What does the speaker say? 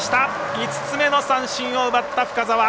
５つ目の三振を奪った深沢。